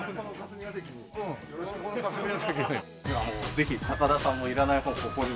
ぜひ高田さんもいらない本ここに。